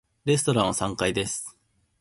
レストランは三階です。